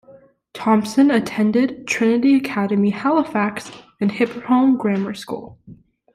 Thompson attended Trinity Academy, Halifax, and Hipperholme Grammar School.